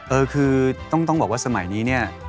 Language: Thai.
เออคือต้องบอกว่าสมัยนี้เนี่ย